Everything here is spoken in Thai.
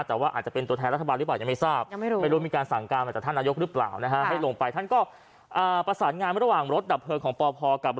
แต่ว่าอาจจะเป็นตัวแทนรัฐบาลหรือเปล่ายังไม่ทราบหรือเปล่า